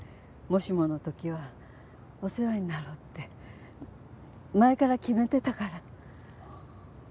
もしもの時はお世話になろうって前から決めてたから。